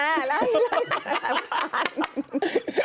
แล้วล่ะผ่าน